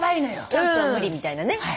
キャンプは無理みたいなね。